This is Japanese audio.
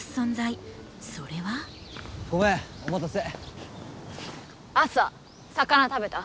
ごめんお待たせ。